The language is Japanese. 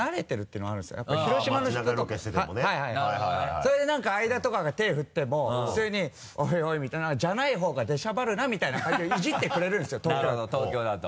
それでなんか相田とかが手を振っても普通に「オイオイ」みたいな「じゃない方が出しゃばるな」みたいな感じでイジってくれるんですよ東京だとなるほど東京だと。